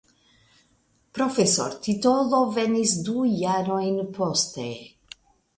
Profesortitolo venis du jarojn poste.